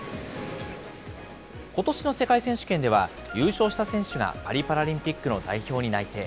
ことしの世界選手権では、優勝した選手がパリパラリンピックの代表に内定。